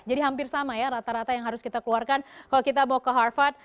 jadi hampir sama ya rata rata yang harus kita keluarkan kalau kita mau ke harvard